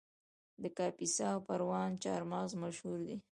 د کاپیسا او پروان چهارمغز مشهور دي